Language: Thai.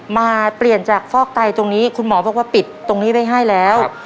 มาเปลี่ยนจากฟอกไตตรงนี้คุณหมอบอกว่าปิดตรงนี้ไว้ให้แล้ว